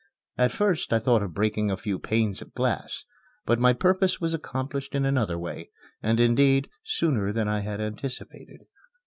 At first I thought of breaking a few panes of glass; but my purpose was accomplished in another way and, indeed, sooner than I had anticipated.